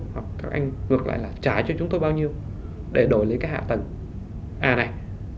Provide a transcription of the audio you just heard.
hoặc các anh ngược lại là trả cho chúng tôi bao nhiêu để đổi lấy cái hạ tầng a này